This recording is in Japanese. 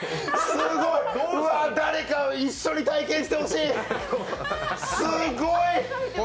すごい、誰か一緒に体験してほしい、すごーい。